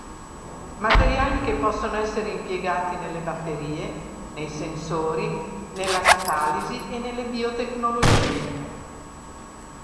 Materiali che possono essere impiegati nelle batterie, nei sensori, nella catalisi e nelle biotecnologie.